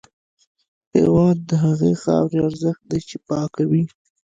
هېواد د هغې خاورې ارزښت دی چې پاکه وي.